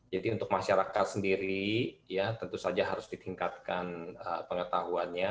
jadi untuk masyarakat sendiri tentu saja harus ditingkatkan pengetahuannya